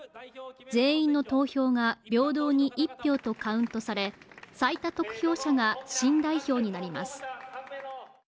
全員の投票が平等に１票とカウントされ、最多得票者が新代表になります。